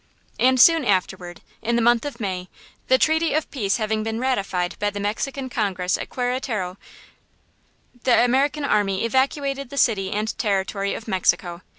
And soon afterward, in the month of May, the treaty of peace having been ratified by the Mexican Congress at Queretaro, the American army evacuated the city and territory of Mexico.